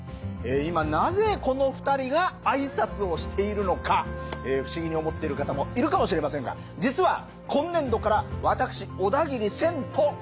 今なぜこの２人が挨拶をしているのか不思議に思っている方もいるかもしれませんが実は今年度から私小田切千と。